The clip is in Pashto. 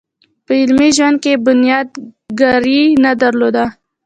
په عملي ژوند کې یې بنياد ګرايي نه درلوده.